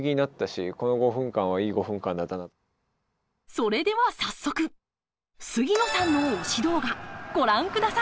それでは早速杉野さんの推し動画ご覧ください！